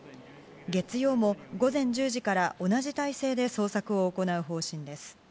月曜も午前１０時から、同じ態勢で捜索を行う方針です。